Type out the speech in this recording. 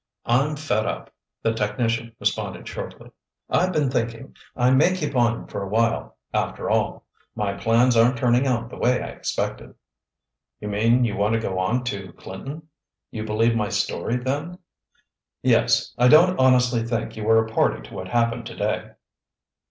"I'm fed up," the technician responded shortly. "I've been thinking. I may keep on for awhile, after all. My plans aren't turning out the way I expected." "You mean you want to go on to Clinton? You believe my story, then?" "Yes. I don't honestly think you were a party to what happened today."